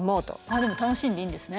あでも楽しんでいいんですね。